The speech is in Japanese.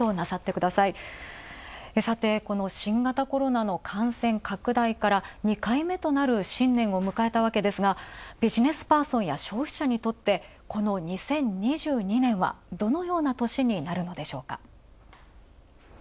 さてこの新型コロナの感染拡大から２回目となる新年を迎えたわけですがビジネスパーソンや消費者にとってこの２０２２年はどのような年になるのでしょうか。